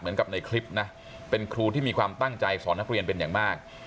ในคลิปนะเป็นครูที่มีความตั้งใจสอนนักเรียนเป็นอย่างมาก